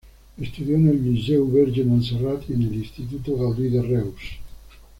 Estudió en Liceu Verge Montserrat y en el Instituto Gaudí de Reus.